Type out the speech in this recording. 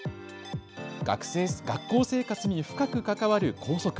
学校生活に深く関わる校則。